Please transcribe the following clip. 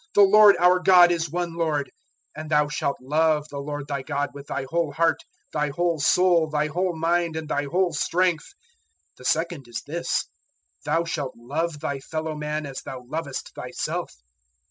The Lord our God is one Lord; 012:030 and thou shalt love the Lord thy God with thy whole heart, thy whole soul, thy whole mind, and thy whole strength.' 012:031 "The second is this: 'Thou shalt love thy fellow man as thou lovest thyself.'